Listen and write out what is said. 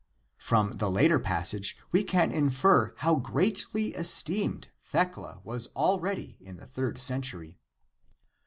From the latter passage we can infer how greatly esteemed Thecla was already in the third century.